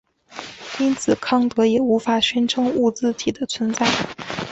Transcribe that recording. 因此康德也无法宣称物自体的存在。